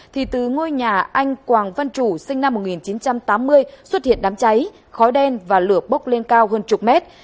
thì từ ngôi nhà anh quảng văn chủ sinh năm một nghìn chín trăm tám mươi xuất hiện đám cháy khói đen và lửa bốc lên cao hơn chục mét